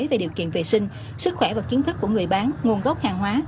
về điều kiện vệ sinh sức khỏe và chính thức của người bán nguồn gốc hàng hóa